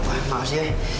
gak apa apa maaf sih ya